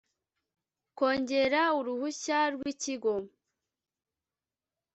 kongera uruhushya rwi kigo